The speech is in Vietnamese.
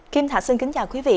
kim thạch xin kính chào quý vị